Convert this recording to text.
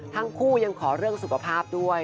ทั้งคู่ยังขอเรื่องสุขภาพด้วย